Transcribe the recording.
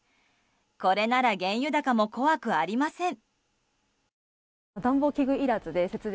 これなら原油高も怖くなりません！